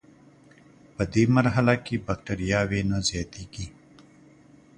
پدې مرحله کې بکټریاوې نه زیاتیږي.